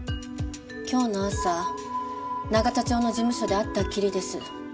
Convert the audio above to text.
今日の朝永田町の事務所で会ったきりです。